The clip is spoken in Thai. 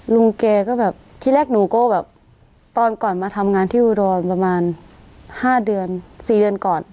ลุงแกก็แบบที่แรกหนูก็แบบตอนก่อนมาทำงานที่อุดรประมาณ๕เดือน๔เดือนก่อน